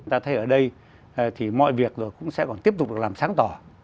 ta thấy ở đây thì mọi việc rồi cũng sẽ còn tiếp tục được làm sáng tỏ